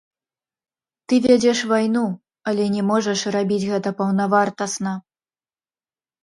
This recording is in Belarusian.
Ты вядзеш вайну, але не можаш рабіць гэта паўнавартасна.